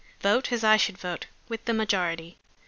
Vote, as I should vote, with the majority.